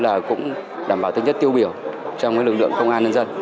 thời nữa là cũng đảm bảo tính chất tiêu biểu trong lực lượng công an nhân dân